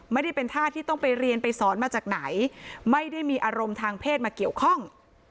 ไม่ได้เป็นท่าที่ต้องไปเรียนไปสอนมาจากไหนไม่ได้มีอารมณ์ทางเพศมาเกี่ยวข้อง